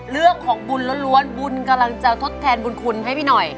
เรื่องของบุญล้วนบุญกำลังจะทดแทนบุญคุณให้พี่หน่อย